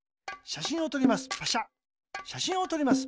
しゃしんをとります。